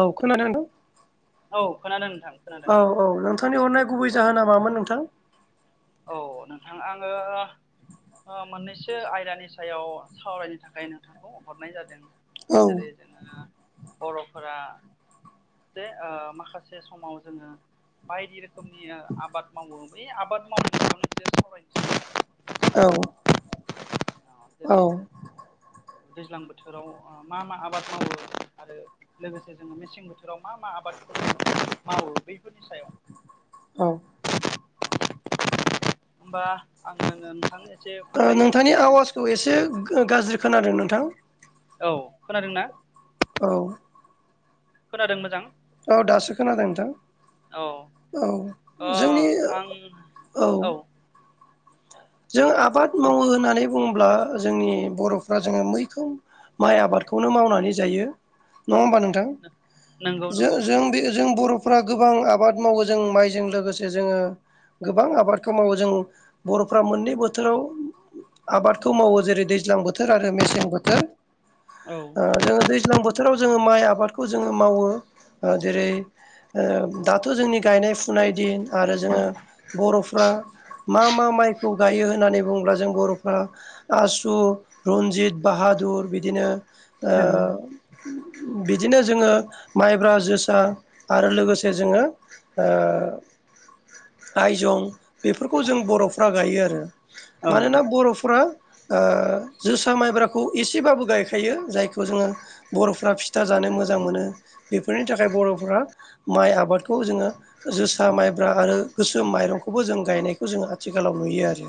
औ खोनादों? औ खोनादों नोंथां खोनादों [unintelligible] औ औ नोंथांनि हरनाय गुबै औ जाहोना मामोन नोंथां? औ नोंथां आङो मोननैसो आयदानि सायाव सावरायनो थाखाय नोंथांखौ हरनाय जादों। औ जेरै जोङो बर'फोरा जे माखासे समाव जोङो बायदि रोखोमनि आबाद मावो बे आबाद मावनायखौ [unintelligible] औ [unintelligible] औ दैज्लां बोथोराव मा मा आबाद मावो आरो लोगोसे जोङो मेसें बोथोराव मा मा आ मावो बैफोरनि सायाव औ [unintelligible] होमबा आङो नोंथांनो एसे फोरमायग्रोनानै होनोसै थ' एसे गाज्रि खोनादों नोंथां? औ खोनादोंना? औ खोनादों मोजां? औ दासोखोना दों नोंथां। औ औ अ जोंनि आं औ जों आबाद दे मावो होननानै बुङोब्ला जोंनि बर'फ्रा जोङो मैखोम माइ आबादखौनो मावनानै जायो। नङा होमबा नोंथां! नंगौ नंगौ जों बे जों बर' फ्रा गोबां आबाद मावो जों माइजों लोगोसे जोङो। गोबां आबादखौ मावो जों बर' फ्रारा मोननै बोथोराव आबादखौ मावो जेरै- दैज्लां बो थोर आरो मेसें बोथोर औ जोङो दैज्लां बो थोराव जोङो माइ आबादखौ जोङो मावो। जेरै- ओ दाथ' जोंनि गायनाय फुनाय दिन आरो जोङो बर'फ्रा मा मा माइ खौ गायो होन्नानै बुङोब्ला जों बर'फ्रा आसु रन्जित बाहादुर बिदिनो ओ नंगौ बिदिनो जोङो माइब्रा जोसा आरो लोगोसे जोंङो आइजं बेफोरखौ जों बर' फ्रा गायो आरो औ मानोना बर'फ्रा जोसा माइब्राखौ एसेबाबो गायखायो जायखौ जोङो बर'फ्रा फिथा जानो मोजां मोनो बेफोरनि थाखाय बर'फोरा माइ आबादखौ जोङो जोसा माइब्रा आरो गोसोम माइरंखौबो जों गायनायखौ जों थिालाव नुयो आरो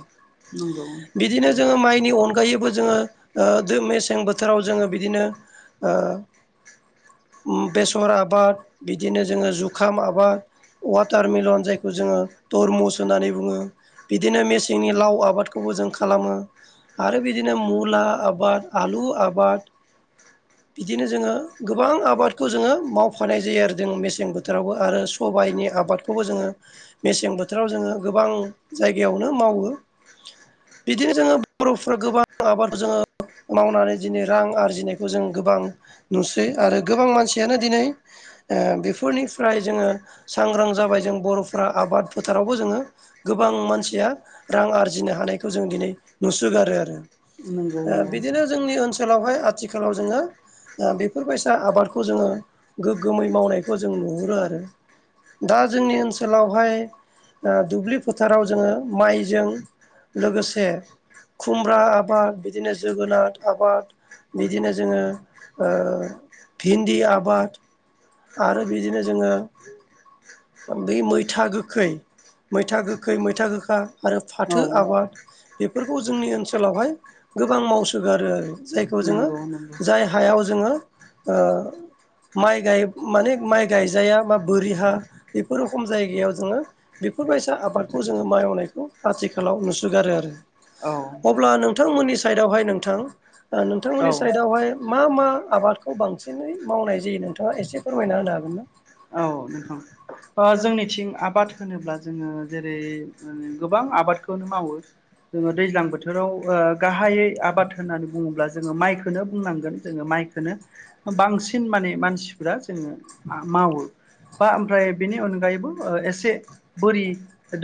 नंगौ बिदिनो जोंङो माइ बेनि अनगायैबो जोङो ओ मेसें बोथोराव जोङो बिदिनो ओ बेसर आबाद बिदिनो जोङो जुखाम आबाद वाटार मिलन जायखौ जोङो तरमुस होननानै बुङो बिदिनो मेसेंनि लाव आबादखौबो जों खालामो आरो बिदिनो मुला आबाद आलु आबाद बिदिनो जोङो गोबां आबादखौ जोङो मावफानाय जायो आरो जों मेसें बोथोरावबो आरो सबायाइनि आबादखौबो जोङो मेसें बोथोराव जोङो गोबां जायगायावनो मावो बिदिनो जोङो बर'फ्रा गोबां आबादाव जोङो मावनानै दिनै रां आरजिनायखौ जों गोबां नुसै आरो गोबां मानसियानो दिनै बेफोरनिफ्राय जोङो सांग्रां जाबाय जों बर'फोरा आबाद फोथारावबो जोङो गोबां मानसिया रां आरजिनो हानायखौ जों दिनै नुसोगारो आरो नंगौ नंगौ बिदिनो जोंनि ओनसोलावहाय आथिखालाव जोङो बेफोरबायसा आबादखौ जोङो गोग्गोमै मावनायखौ जों नुहुरो आरो दा जोंनि ओनसोलावहाय दुब्लि फोथाराव जोङो माइजों लोगोसे खुमब्रा आबाद बिदिनो जोगोनार आबाद बिदिनो जोङो भिन्दि आबाद आरो बिदिनो जोङो बै मैथा गोखै मैथा गो खै मैथा गोखा आरो औ फाथो आबाद बेफोरखौ जोंनि ओनसोलावहाय गोबां मावसोगारो आरो जायखौ जोङो नंगौ नंगौ जाय हायाव जोङो ओ माइ गाय माने माइ गायजाया बा बोरि हा बेफोर रखम जायगायाव जोङो बेफोरबायसा आबादखौ जोङो मावाइ मावनायखौ आथिखालाव नुसोगारो आरो औ अब्ला नोंथांमोननि साइदावहाय नोंथां नोंथांमोननि औ साइदआवहाय मा मा आबादखौ बांसिनै मावनाय जायो नोंथाङा एसे फोरमायना होनो हागोन ना औ [unintelligible] जोंनिथिं आबाद होनोब्ला जोङो जेरै गोबां आबाद मावो दैज्लां बोथोराव गाहायै आबाद होननानै बुङोब्ला जोङो माइखौनो बुंनांगोन जोङो माइखौनो बांसिन माने मानसिफ्रा जोङो मावो बा ओमफ्राय बेनि अनगायैबो एसे बोरि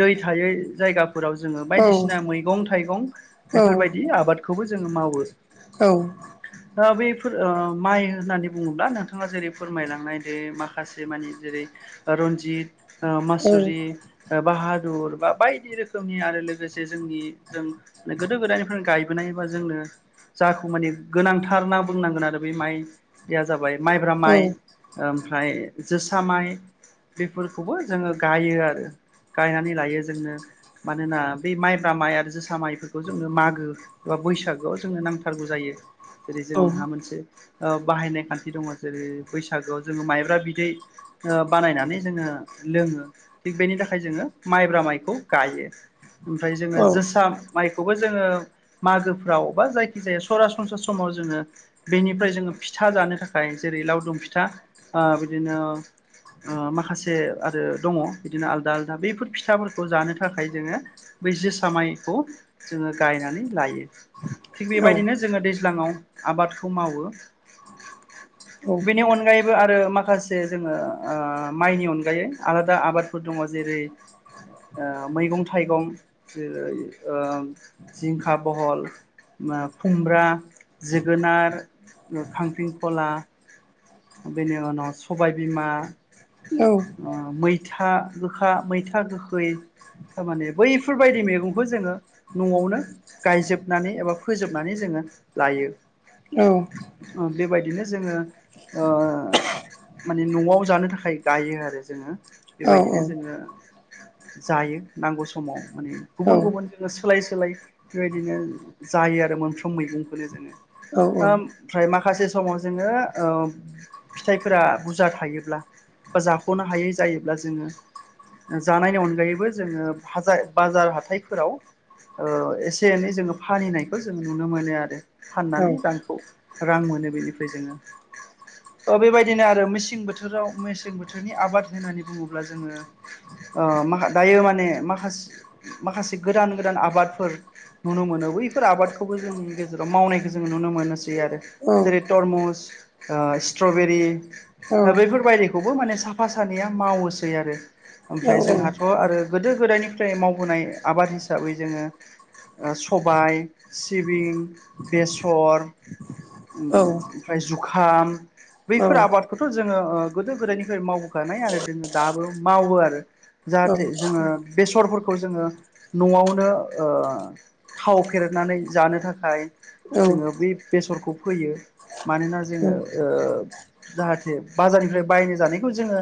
दै थायै जायगा फोराव जोङो औ बायदिसिना मैगं थाइगं औ बेफोरबायदि आबादखौबो जोङो मावो औ बा बफोर माइ होननानै बुङोब्ला नोंथाङा जेरै फोरमायलांनाय दै माखासे मानि जेरै रनजित मासुरि बाहा दुर बा बायदि रोखोमनि आरो लोगोसे जोंनि जों गोदो गोदायनिफ्रायनो गायबोनायबा जोंनो जाखौ माने गोनांथार ना बुंनांगोन आरो बे माइया जाबाय माइब्रा औ माइ ओमफ्राय जोसा माइ बेफोरखौबो जोङो गायो आरो गायनानै लायो जोंनो मानोना बे माइब्रा माइ आरो जोसा माइफोरखौ जोङो मागो बा बैसागोआव जोंनो नांथारगौ जायो जेरै औ जोंहा मोनसे बाहायनाय खान्थि दङ जेरै बैसागोआव जोङो माइब्रा बिदै बानायनानै जोङो लोङो थिग बेनि थाखाय जोङो माइब्रा माइखौ गायो। ओमफ्राय जोङो जोसा माइ खौबो जोङो मागोफ्राव बा जायखि जाया सरासनस्रा समाव जोङो बेनिफ्राय जोङो फिथा जानो थाखाय जेरै लावदुम फिथा बिदिनो ओ माखासे आरो दङ बिदिनो आलदा आलदा बैफोर फिथाफोरखौ जानो थाखाय जोङो बै जोसा मायखौ जोङो गायनानै लायो। थिग औ बेबायदिनो जोङो दैज्लाङाव आबादखौ मावो बेनि अनगायैबो आरो माखासे जोङो ओ माइनि अनगायै आलादा आबादफोर दङ जेरै मैगं थाइगं जेरै ओ जिंखा बहल खुमब्रा जोगोनार खांख्रिंखला बेनि उनाव सबायबिमा मै था गोखा मैथा गोखै थारमाने बैफोरबायदि मैगंखौ जोङो न'आवनो गायजोबनानै एबा फोजोबनानै जोङो लायो औ बेबायदिनो जोङो ओ माने न'आव जानो थाखाय गायो आरो जोङो बेबायदिनो जोङो जायो नांगौ समाव माने गुबुन गुबुन जोङो सोलाय सोलाय बेबायदिनो जायो आरो मोनफ्रोम मैगंखौनो जोङो माखासे समाव जोङो फिथाइफोरा बुरजा थायोब्ला बा जाख'नो हायै जायोब्ला जोङो जानायनि अनगायैबो जोङो बाजार हाथाइफोराव ओ एसे एनै जोङो फानहनायखौ जोङो नुनो मोनो आरो फाननानै रांखौ रां मोनो बेनिफ्राय जोङो बेबायदिनो आरो मेसें बोथोराव मेसें बोथोरनि आबाद होन्नानै बुङोब्ला। जोङो ओ दायो माने मसे माखासे गोदान गोदान आबादफोर नुनो मोनो। बेफोर आबादखौबो जोंनि गेजेराव मावनायखौ जोङो नुनो मोनसै आरो जेरै तरमुस ओ स्ट्रबेरि बैफोरबायदिखौबो माने साफा सानैया मावोसै आरो ओमफ्राय जोंहाथ' आरो गोदो गोदायनिफ्राय मावबोनाय आबाद हिसाबै जोङो। ओ सबाय सिबिं बेसर ओमफ्राय जुखाम बैफोर आबादखौथ' जोङो गोदो गोदायनिफ्राय माव दो मावो आरो औ जाहाथे जोङो बेसर खौ जोङो न'आवनो थाव फेरनानै जानो थाखाय औ औ जोङो बे बेसरखौ फोयो। मानोना औ जोङो जाहाथे बाजारनिफ्राय बायनो जानायखौ जोङो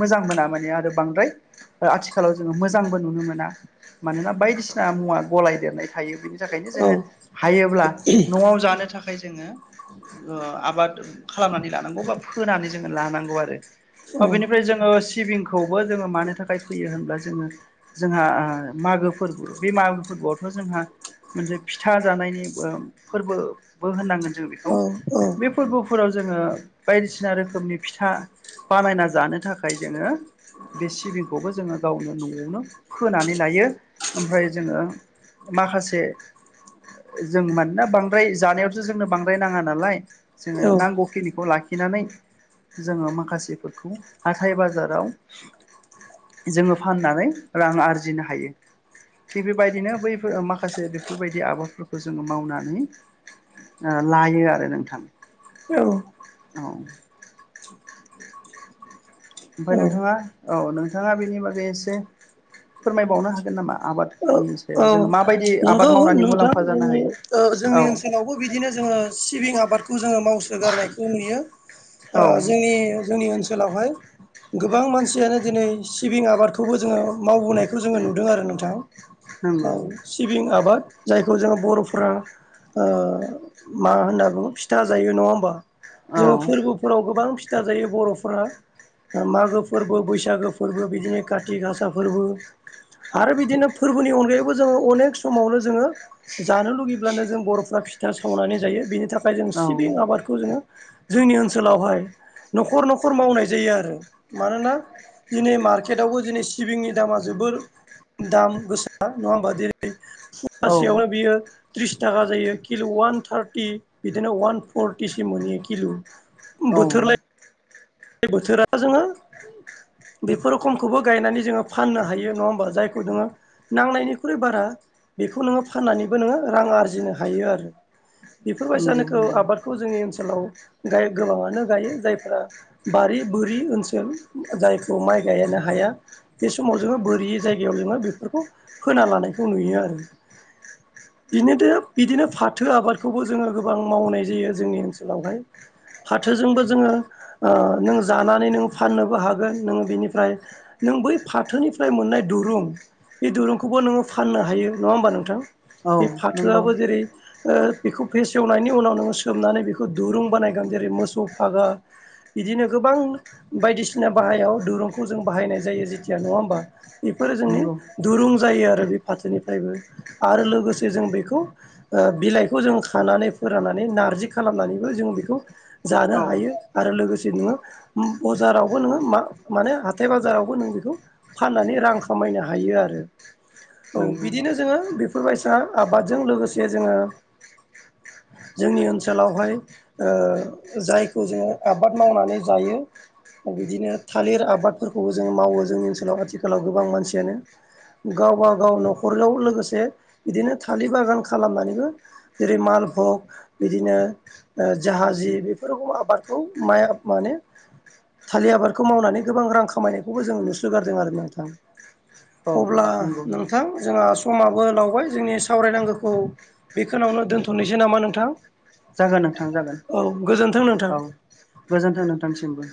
मोजां मोना माने आरो बांद्राय आथिखालाव जोङो मोजांबो नुनो मोना मानोना बायदिसिना मुवा गलाय देरनाय थायो बिनि थाखायनो जोङो हायोब्ला न'आव जानो थाखाय जोङो आबाद खालामनानै लानांगौ बा फोनानै जोङो लानांगौ आरो बेनिफ्राय जोङो सिबिंखौबो जोङो मानो थाखाय फैयो होनब्ला जोङो जोंहा मागो फोरबो बे मागो फोरबो फोरबोआवथ' जोंहा मोनसे फिथा जानायनि फोरबोबो होननांगोन। जों बेखौ औ बे फोरबोफोराव जोङो बायदिसिना रोखोमनि फिथा बानायना जानो थाखाय जोङो बे सिबिंखौबो जोङो गावनो न'आवनो फोनानै लायो ओमफ्राय जोङो माखासे जों मानोना बांद्राय जानायावथो जोंनो बांद्राय नाङा नालाय जोङो नांगौखिनिखौ लाखि लाखिनानै जोङो माखासेफोरखौ हाथाय बाजाराव जोङो फाननानै रां आरजिनो हायो। थिग बेबायदिनो बैफोर माखासे बेफोरबायदि आबादफोरखौ जोङो मावनानै लायो आरो नोंथां औ औ। औ । ओमफ्राय नोंथाङा औ नोंथाङा बेनि बागै एसे फोरमायबावनो हागोन नामा आबाद सायाव औ जोङो माबायदि नोंगौ मावनानै नोंथां मुलाम्फा ओम जानो हायो ओ औ जोंनि ओनसोलावबो बिदिनो जोङो सिबिं आबादखौ जोङो मावसो गारनायखौ नुयो । औ ओ जोंनि जोंनि ओनसोलावहाय । गोबां मानसियानो दिनै सिबिं आबादखौबो जोङो मावबोनायखौ जोङो नुदों आरो नोंथां। औ नंगौ सिबिं आबाद जायखौ जोङो बर'फ्रा ओ मा होनना बुङो फिथा जायो नङा होमबा? औ जोङो फोरबोफोराव गोबां फिथा जायो बर'फोरा। मागो फोरबो, बैसागो फोरबो बिदिनो काति गासा फोरबो आरो बिदिनो फोरबोनि उन गायैबो जोङो अनेक समावनो जोङो जानो लुुबैब्लानो जों बर'फ्रा फिथा सावनानै जायो बेनि थाखाय जों औ सिबिं आबादखौ जोङो जोंनि ओनसोलावहाय न'खर न'खर मावनाय जायो आरो मानोना दिनै मार्केटआवबो दिनै सिबिंनि दामा जोबोर दाम गोसो नङा होमबा दिनै फवासेयावनो बियो त्रिस थाखा जायो किल' अवान थार्टि बिदिनो अवान फरटिसिम मोनहयो किल'। औ बे बोथोरा जोङो बेफोर खमखौबो गायनानै जोङो फाननो हायो नङा होमबा जायखौ नोङो नांनायनिख्रुइ बारा बेखौ नोङो फाननानैबो नोङो रां आरजिनो हायो आरो। [inaudible] नंगौ बेफोरबायसानोखौ नंगौ आबादखौ जोंनि ओनसोलाव गोबाङानो गायो जायफोरा बारि बोरि ओनसोल जायखौ माइ गायनो हाया। बे समाव जोङो बोरि जायगायाव जोङो बेफोरखौ फोना लानायखौ नुयो आरो। [inaudible] बिनोदे बिदिनो फाथो आबादखौबो जोङो गोबां मावनाय जायो जोंनि ओनसोलावहाय। फाथोजोंबो जोङो ओ जानानै नों फाननोबो हागोन नों बेनिफ्राय नों बै फाथोनिफ्राय मोननाय दु रुं बे दुरुंखौबो नोङो फाननो हायो नङा होमबा नोंथां? औ बे नंगौ फाथोआबो जेरै ओ बेखौ फेसेवनायनि उनाव नोङो सोमनानै बेखौ दुरुं बानायगोन जेरै मोसौ फागा बिदिनो गोबां बायदिसिना बाहायाव दिरुंखौ जों बाहायनाय जायो जेथिया नङा होमबा बेफोरो जोंनि नंगौ दुरुं जायो आरो। बे फाथोनिफ्रायबो आरो लोगोसे जों बेखौ ओ बिलाइखौ जों खानानै फोराननानै नारजि खालामनानैबो जों बेखौ जानो औ हायो आरो लोगोसे नो बाजारावबो मा-माने हाथाय बाजारावखौ नों बेखौ फाननानै रां खामाय नो हायो आरो। औ नंगौ बिदिनो जोङो बेफोरबायसा आबादजों लोगोसे जोङो जोंनि ओनसोलावहाय ओ जायखौ जोङो आ बाद मावनानै जायो बिदिनो थालिर आबादफोरखौबो जों मावो जोंनि ओनसोलाव आथिखालाव गोबां मानसियानो । गावबा गाव न'खराव लोगोसे बिदिनो थालिर बागान खालामनानैबो जेरै माल फग बिदिनो ओ जाहाजि बेफोरखौ आबादखौ माया आ माने थालिर आबादखौ मावनानै गोबां रां खामायनायखौबो जोंङो नुस्रोगारदों आरो नोंथां। औ अब्ला नंगौ नोंथां जोंहा समाबो लावबाय जोंनि सावरायनांगौखौ बेखौनावनो दोनथ'नोसै नामा नोंथां? जागोन नोंथां जागोन औ गोजोन्थों नोंथां औ गोजोन्थों नोंथांसिमबो।